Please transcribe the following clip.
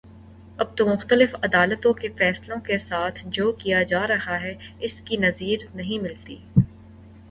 اب تو مختلف عدالتوں کے فیصلوں کے ساتھ جو کیا جا رہا ہے اس کی نظیر نہیں ملتی